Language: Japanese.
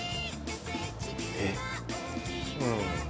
えっ？